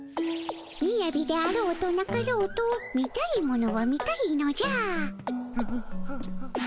みやびであろうとなかろうと見たいものは見たいのじゃ。